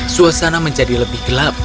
suasana menjadi lebih gelap